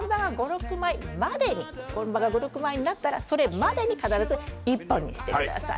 本葉が５、６枚になったらそれまでに必ず１本にしてください。